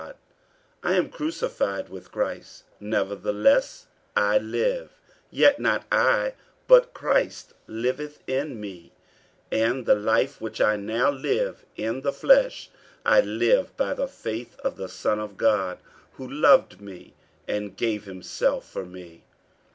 48:002:020 I am crucified with Christ: nevertheless I live; yet not I, but Christ liveth in me: and the life which I now live in the flesh I live by the faith of the Son of God, who loved me, and gave himself for me.